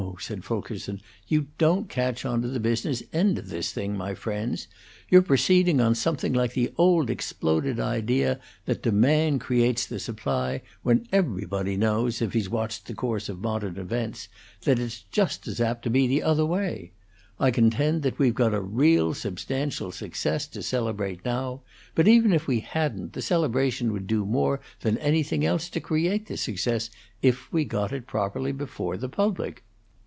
said Fulkerson, "you don't catch on to the business end of this thing, my friends. You're proceeding on something like the old exploded idea that the demand creates the supply, when everybody knows, if he's watched the course of modern events, that it's just as apt to be the other way. I contend that we've got a real substantial success to celebrate now; but even if we hadn't, the celebration would do more than anything else to create the success, if we got it properly before the public.